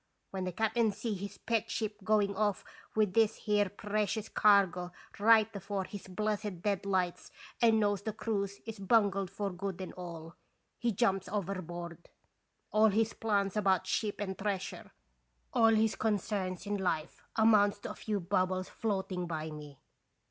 When the cap'n see his pet ship going off with this here precious cargo right afore his blessed dead lights and knows the cruise is bungled for good and all, he jumps overboard. All his plans about ship and treasure, all his concern in life amounts to a few bubbles floating by me